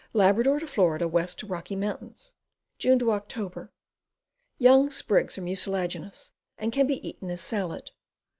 Labrador to Fla., west to Rocky Mts. June Oct. Young sprigs are mucilaginous and can be eaten as salad.